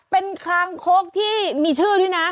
เป็นคางคกที่มีชื่อด้วยนะ